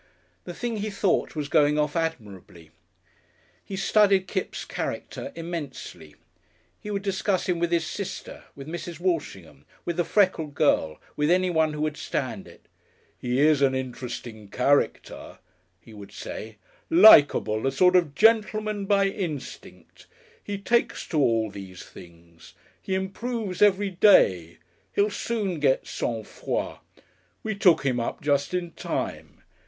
The thing he thought was going off admirably. He studied Kipps' character immensely. He would discuss him with his sister, with Mrs. Walshingham, with the freckled girl, with anyone who would stand it. "He is an interesting character," he would say, "likable a sort of gentleman by instinct. He takes to all these things. He improves every day. He'll soon get Sang Froid. We took him up just in time.